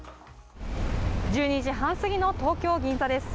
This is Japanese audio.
１２時半すぎの東京・銀座です。